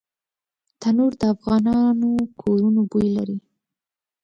تنور د افغانو کورونو بوی لري